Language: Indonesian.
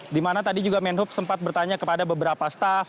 dimana tadi juga menhub sempat bertanya kepada beberapa staff